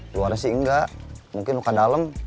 luar sih enggak mungkin luka dalem